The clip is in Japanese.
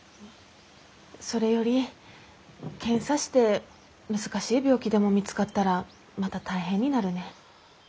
それより検査して難しい病気でも見つかったらまた大変になるね。